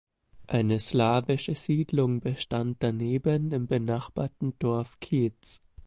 Eine slawische Siedlung bestand daneben im benachbarten Dorf Kietz.